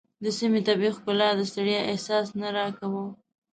د سیمې طبیعي ښکلا د ستړیا احساس نه راکاوه.